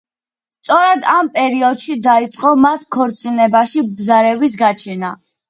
სწორედ ამ პერიოდში დაიწყო მათ ქორწინებაში ბზარების გაჩენა.